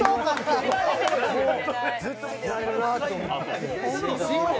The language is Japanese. ずっと見てられるなと思って。